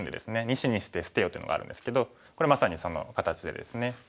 「二子にして捨てよ」というのがあるんですけどこれはまさにその形でですね。